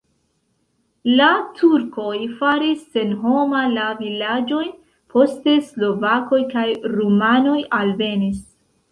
La turkoj faris senhoma la vilaĝojn, poste slovakoj kaj rumanoj alvenis.